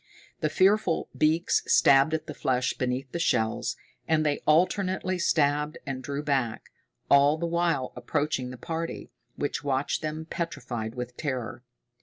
The fearful beaks stabbed at the flesh beneath the shells, and they alternately stabbed and drew back, all the while approaching the party, which watched them, petrified with terror.